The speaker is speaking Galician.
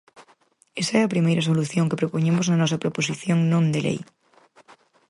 Esa é a primeira solución que propoñemos na nosa proposición non de lei.